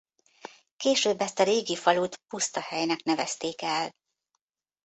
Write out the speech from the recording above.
Később ezt a régi falut Puszta-helynek nevezték el.